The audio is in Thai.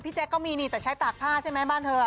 แจ๊คก็มีนี่แต่ใช้ตากผ้าใช่ไหมบ้านเธอ